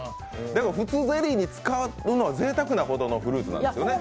普通ゼリーに使うのはぜいたくなほどのフルーツなんですね。